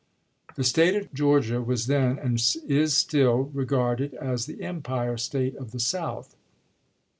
The State of Georgia was then, and is still, regarded as the Empire State of the South.